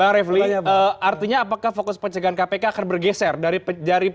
bang refli artinya apakah fokus pencegahan kpk akan bergeser dari